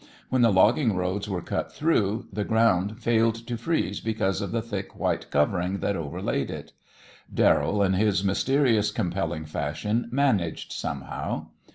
When the logging roads were cut through, the ground failed to freeze because of the thick white covering that overlaid it. Darrell in his mysterious compelling fashion managed somehow.